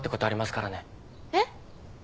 えっ？